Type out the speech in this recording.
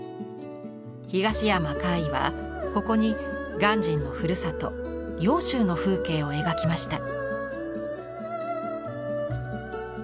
東山魁夷はここに鑑真のふるさと揚州の風景を描きました。